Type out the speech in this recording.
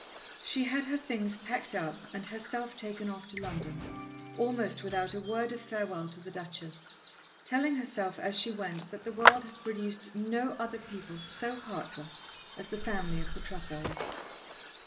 She had her things packed up, and herself taken off to London, almost without a word of farewell to the Duchess, telling herself as she went that the world had produced no other people so heartless as the family of the Trefoils.